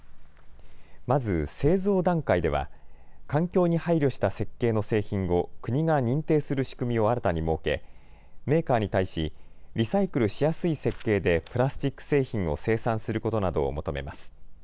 まず、製造段階では環境に配慮した設計の製品を国が認定する仕組みを新たに設けメーカーに対しリサイクルしやすい設計でプラスチック製品を生産することなどを求めます。